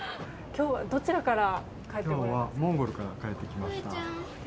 今日はモンゴルから帰ってきました。